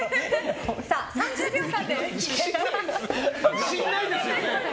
自信ないですよね？